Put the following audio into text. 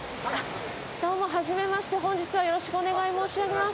どうも初めまして本日はよろしくお願い申し上げます